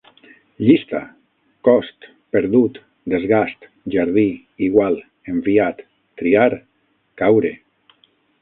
Llista: cost, perdut, desgast, jardí, igual, enviat, triar, caure